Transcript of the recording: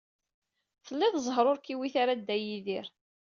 Tlid zzheṛ ur k-iwit ara Dda Yidir.